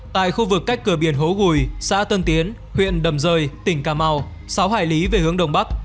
tại khu vực cách cửa biển hố gùi xã tân tiến huyện đầm rơi tỉnh cà mau sáu hải lý về hướng đông bắc